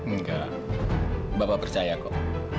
enggak bapak percaya kok